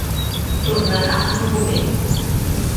Tornarà en un moment.